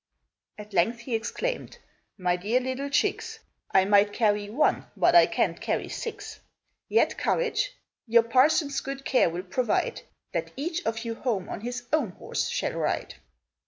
At length he exclaimed, "My dear little chicks, I might carry one, but I can't carry six! Yet courage! Your parson's good care will provide That each of you home on his own horse shall ride!"